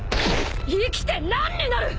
生きて何になる！？